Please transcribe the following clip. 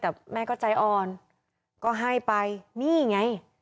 แต่แม่ก็ใจอ่อนก็ให้ไปนี่ไง